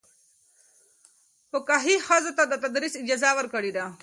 فقهاء ښځو ته د تدریس اجازه ورکړې ده.